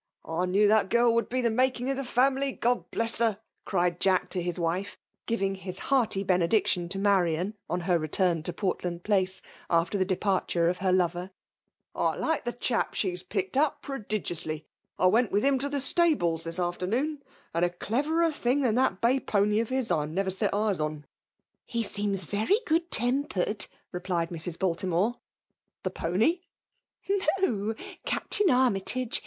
" I knew that girl would be tbe making oF the family, God Uess her !'* cried Jack to his wife, giving his hearty benediction to Marian ojb her return to Portland Place, after the departure of her lover. "I like the chap she has picked up prodigiously. I went with him to his stables, this afternoon ; and a cle verer thing than that bay pony of his I never set eyes on/' •*He seems very good tetnpercd," replied Mrs. Baltim<»'e. " The pony ?"" No ! Captain Armytage.